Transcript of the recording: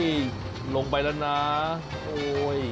โอ้โฮลงไปแล้วนะโอ้โฮ